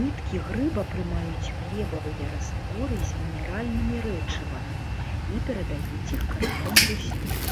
Ніткі грыба прымаюць глебавыя растворы з мінеральнымі рэчывамі і перадаюць іх караням брусніц.